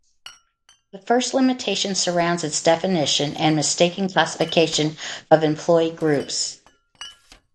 The first limitation surrounds its definition and mistaken classification of employee groups.